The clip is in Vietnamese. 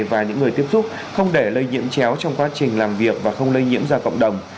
và những người tiếp xúc không để lây nhiễm chéo trong quá trình làm việc và không lây nhiễm ra cộng đồng